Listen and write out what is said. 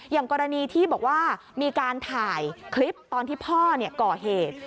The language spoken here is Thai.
อย่างกรณีที่บอกว่ามีการถ่ายคลิปตอนที่พ่อก่อเหตุ